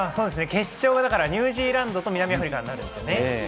決勝はニュージーランドと南アフリカなんですよね。